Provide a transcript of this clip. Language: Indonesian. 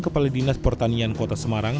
kepala dinas pertanian kota semarang